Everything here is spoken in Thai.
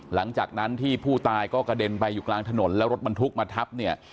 หลังจากนั้นที่ผู้ตายก็กระเด็นไปอยู่กลางถนนแล้วรถบรรทุกมาทับเนี่ย